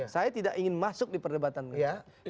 saya tidak ingin masuk di perdebatan mereka